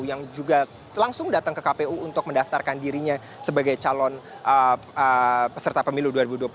yang juga langsung datang ke kpu untuk mendaftarkan dirinya sebagai calon peserta pemilu dua ribu dua puluh empat